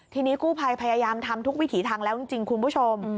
ทีนี้กู้ภัยพยายามทำทุกวิถีทางแล้วจริงคุณผู้ชม